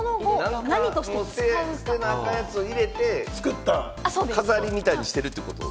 捨てなあかんやつを入れて飾りみたいにしてるってこと？